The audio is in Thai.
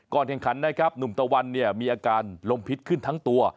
แข่งขันนะครับหนุ่มตะวันเนี่ยมีอาการลมพิษขึ้นทั้งตัว